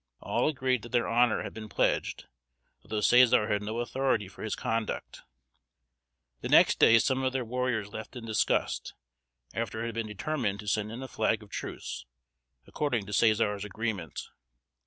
All agreed that their honor had been pledged, although Cæsar had no authority for his conduct. The next day some of their warriors left in disgust, after it had been determined to send in a flag of truce, according to Cæsar's agreement.